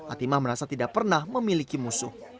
atimah merasa tidak pernah memiliki musuh